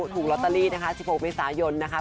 ถูกลอตเตอรี่นะคะ๑๖เมษายนนะคะ